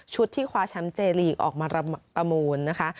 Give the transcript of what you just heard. ที่คว้าแชมป์เจลีกออกมาประมูลนะคะ